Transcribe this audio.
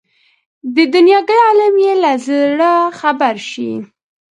د دنیاګۍ عالم یې له زړه خبر شي.